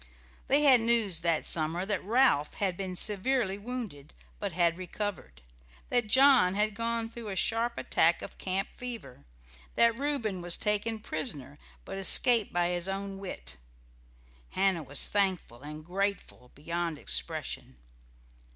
They had news that summer that Ralph had been severely wounded, but had recovered; that John had gone through a sharp attack of camp fever; that Reuben was taken prisoner, but escaped by his own wit. Hannah was thankful and grateful beyond expression.